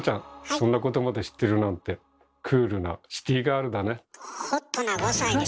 そんなことまで知ってるなんてホットな５歳ですよ。